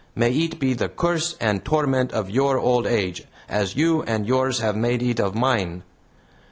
May it be the curse and torment of your old age, as you and yours have made it of mine!"